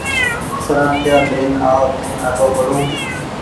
سرآتييآ لين آو مينٚ آڏو پڙون